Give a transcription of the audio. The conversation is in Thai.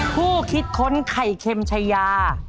คิดค้นไข่เค็มชายา